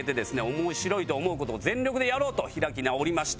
面白いと思う事を全力でやろうと開き直りました。